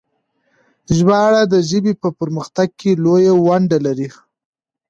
ژباړه د ژبې په پرمختګ کې لويه ونډه لري.